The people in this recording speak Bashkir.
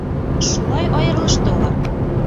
Шулай айырылышты улар.